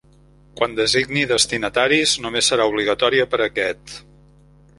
Quan designi destinataris, només serà obligatòria per a aquest.